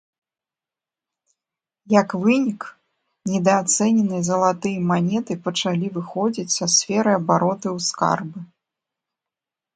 Як вынік, недаацэненыя залатыя манеты пачалі выходзіць са сферы абароту ў скарбы.